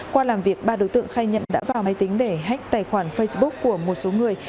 qua làm việc ba đối tượng khai nhận đã vào máy tính để hách tài khoản facebook của một số người